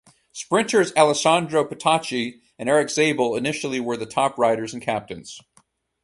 Sprinters Alessandro Petacchi and Erik Zabel initially were the top riders and captains.